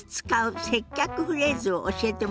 フレーズを教えてもらいましょ。